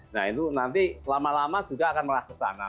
nah itu nanti lama lama juga akan marah ke sana